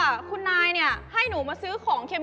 วันนี้คุณนายให้หนูมาซื้อของเค็ม